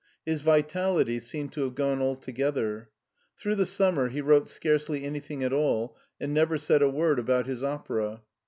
His vitality seemed to have gone altogether. Through the summer he wrote scarcely anything at all, and never said a word about his opera.